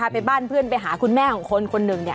เพื่อนบ้านเพื่อนจะหาคุณแม่คน